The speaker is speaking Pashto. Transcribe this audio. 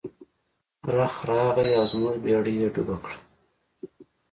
رخ راغی او زموږ بیړۍ یې ډوبه کړه.